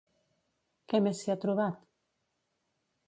Què més s'hi ha trobat?